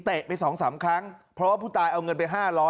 ไป๒๓ครั้งเพราะว่าผู้ตายเอาเงินไป๕๐๐